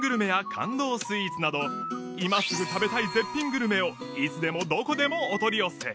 スイーツなど今すぐ食べたい絶品グルメをいつでもどこでもお取り寄せ